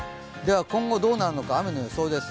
今後どうなるのか、雨の予想です。